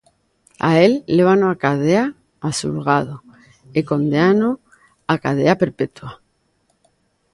A el lévano á cadea e xúlgano e condénano a cadea perpetua.